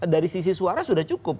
dari sisi suara sudah cukup